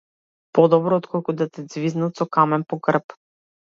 Подобро отколку да те ѕвизнат со камен по грб.